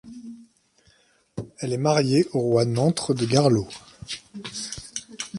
Elle est mariée au roi Nentres de Garlot.